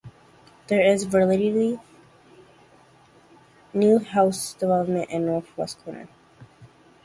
There is a relatively new housing development in the north west corner.